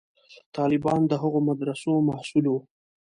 طالبان د هغو مدرسو محصول وو.